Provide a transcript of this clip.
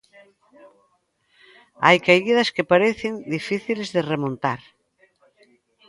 Hai caídas que parecen difíciles de remontar.